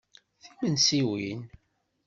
Timensiwin.